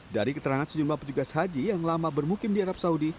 dari keterangan sejumlah petugas haji yang lama bermukim di arab saudi